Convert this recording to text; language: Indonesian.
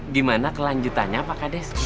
gimana kelanjutannya pak kades